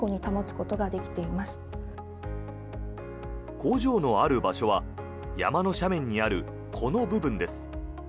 工場のある場所は山の斜面にあるこの部分です。